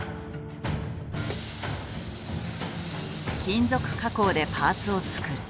金属加工でパーツを作る。